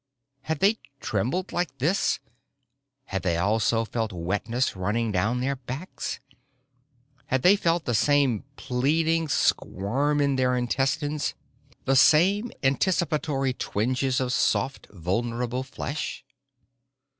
Had they trembled like this, had they also felt wetness running down their backs, had they felt the same pleading squirm in their intestines, the same anticipatory twinges of soft, vulnerable flesh?